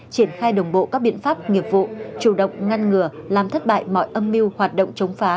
triển khai đồng bộ các biện pháp nghiệp vụ chủ động ngăn ngừa làm thất bại mọi âm mưu hoạt động chống phá